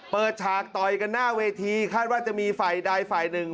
ฉากต่อยกันหน้าเวทีคาดว่าจะมีฝ่ายใดฝ่ายหนึ่ง